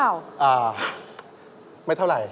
อ่าไม่เท่าไร